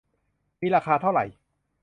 มีราคาเท่าไหร่